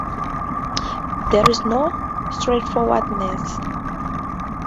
There is no straightforwardness.